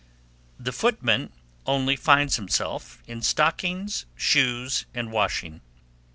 The footman only finds himself in stockings, shoes, and washing.